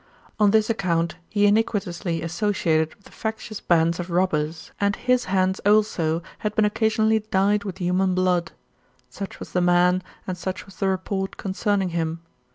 On this account he iniquitously associated with the factious bands of robbers, and his hands, also> had been occasionally dyed with human blood. Such was the man, and such was the report concerning him.